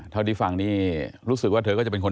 เท่าที่ฟังนี่รู้สึกว่าเธอก็จะเป็นคน